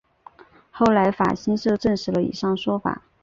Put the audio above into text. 后来法新社证实了以上说法。